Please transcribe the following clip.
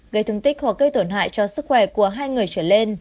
gây thương tích hoặc gây tổn hại cho sức khỏe của hai người trở lên